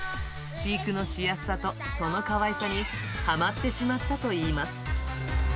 飼育のしやすさと、そのかわいさにはまってしまったといいます。